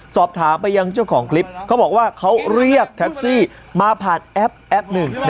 สอบถามไปยังเจ้าของคลิปเขาบอกว่าเขาเรียกแท็กซี่มาผ่านแอปแอปหนึ่ง